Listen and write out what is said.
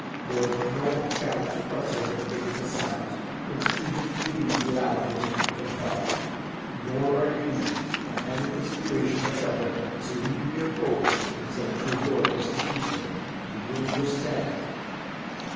You are on no account to utter the faintest sound, or even to breathe louder than you can help; nor are you, on any consideration whatever, to leave your post, until I give you orders to do so. Do you understand?"